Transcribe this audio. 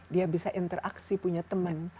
dia bisa interaksi punya teman